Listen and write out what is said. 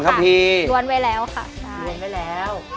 ๒ทัพผีวันไปแล้วค่ะวันเลยแล้ว